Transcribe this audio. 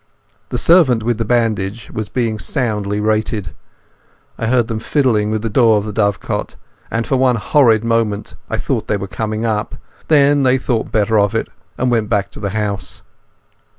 The servant with the bandage was being soundly rated. I heard them fiddling with the door of the dovecote and for one horrid moment I fancied they were coming up. Then they thought better of it, and went back to the house.